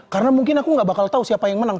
karena mungkin aku nggak bakal tahu siapa yang menang